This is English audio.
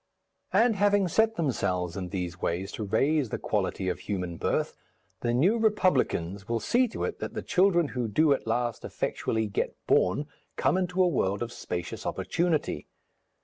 And having set themselves in these ways to raise the quality of human birth, the New Republicans will see to it that the children who do at last effectually get born come into a world of spacious opportunity.